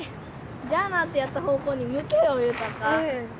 「じゃあな」ってやった方向に向けよ悠鷹。